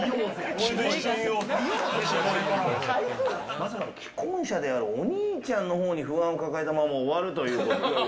まさかの既婚者であるお兄ちゃんのほうに不安を抱えたまま終わるということに。